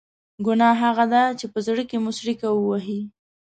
ګناه هغه ده چې په زړه کې مو څړیکه ووهي.